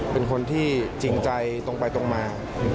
เป็นคนที่จริงใจตรงไปตรงมา